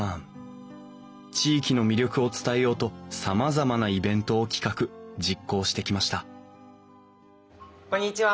地域の魅力を伝えようとさまざまなイベントを企画実行してきましたこんにちは。